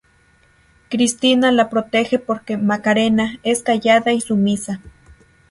Cristina la protege porque "Macarena" es callada y sumisa.